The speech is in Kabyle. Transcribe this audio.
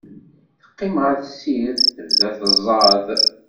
Teqqim ɣer tessirt, tebda tezzaḍ.